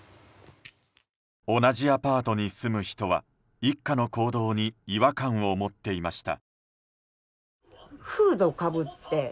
同じアパートに住む人は一家の行動に違和感を持っていました。